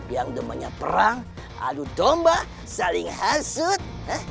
yang namanya perang adu domba saling hasut